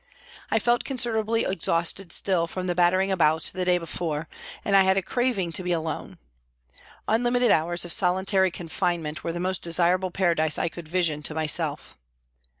I felt considerably exhausted still from the battering about the day before, and I had a craving to be alone. Unlimited hours of " solitary confinement " POLICE COURT TRIAL 59 were the most desirable paradise I could vision to myself.